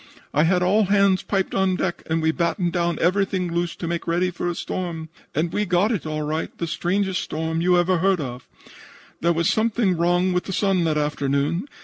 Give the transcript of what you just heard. I had all hands piped on deck and we battened down everything loose to make ready for a storm. And we got it all right the strangest storm you ever heard tell of. "There was something wrong with the sun that afternoon.